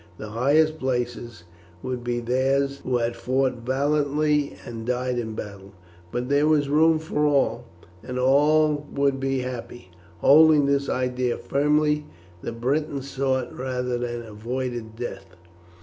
The highest places would be theirs who had fought valiantly and died in battle; but there was room for all, and all would be happy. Holding this idea firmly, the Britons sought rather than avoided death.